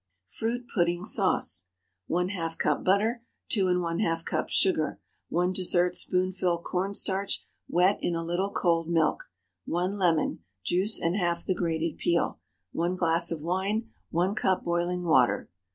FRUIT PUDDING SAUCE. ✠ ½ cup butter. 2½ cups sugar. 1 dessert spoonful corn starch wet in a little cold milk. 1 lemon—juice and half the grated peel. 1 glass of wine. 1 cup boiling water.